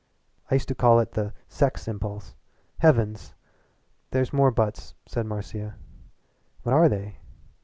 I used to call it the 'sex impulse.' Heavens!" "There's more 'buts,'" said Marcia "What are they?"